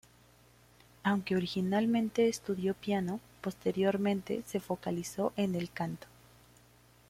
Aunque originalmente estudió piano, posteriormente se focalizó en el canto.